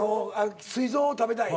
「膵臓を食べたい」。